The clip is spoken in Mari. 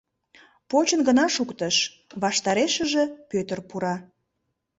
Почын гына шуктыш — ваштарешыже Пӧтыр пура.